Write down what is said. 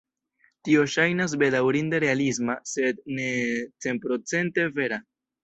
Tio ŝajnas bedaŭrinde realisma, sed ne centprocente vera.